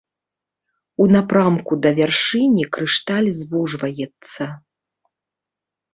У напрамку да вяршыні крышталь звужваецца.